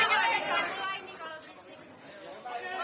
mau lancar lagi